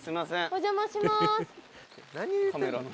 「お邪魔しまーす」